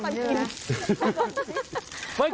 ไม่ชอบมันกิน